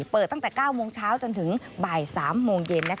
เปิดตั้งแต่๙โมงเช้าจนถึงบ่าย๓โมงเย็น